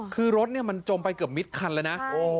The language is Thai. คือรถมันจมไปเกือบมิดคันแล้วนะ